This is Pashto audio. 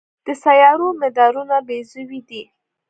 د سیارو مدارونه بیضوي دي.